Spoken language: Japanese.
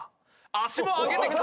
足も上げてきた！